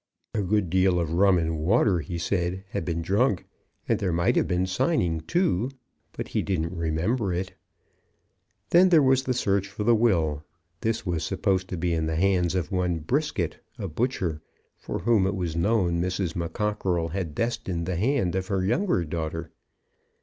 A good deal of rum and water, he said, had been drunk; and there might have been signing too, but he didn't remember it. Then there was the search for the will. This was supposed to be in the hands of one Brisket, a butcher, for whom it was known Mrs. McCockerell had destined the hand of her younger daughter.